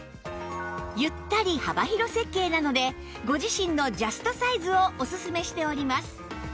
ゆったり幅広設計なのでご自身のジャストサイズをおすすめしております